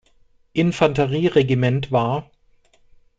Infanterie-Regiment war.